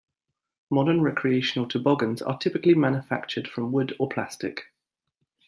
Modern recreational toboggans are typically manufactured from wood or plastic.